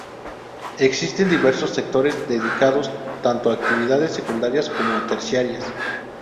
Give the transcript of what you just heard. Existen diversos sectores dedicados tanto a actividades secundarias como a terciarias.